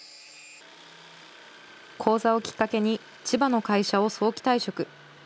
講座をきっかけに、千葉の会社を早期退職。